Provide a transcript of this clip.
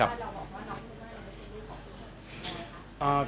เราบอกว่าน้องภูมิม่าเป็นชีวิตของคุณใช่ไหมครับ